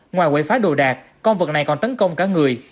ngoài quậy phá đồ đạc con vật này còn tấn công cả người